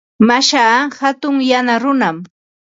Mashaa hatun yana runam.